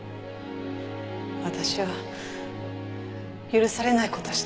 私は許されない事をしたから。